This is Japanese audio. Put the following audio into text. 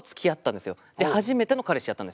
で初めての彼氏やったんです。